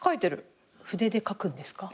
筆で描くんですか？